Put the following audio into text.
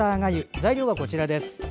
材料はこちらです。